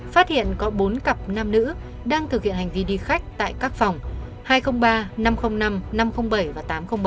phát hiện có bốn cặp nam nữ đang thực hiện hành vi đi khách tại các phòng hai trăm linh ba năm trăm linh năm năm trăm linh bảy và tám trăm linh bảy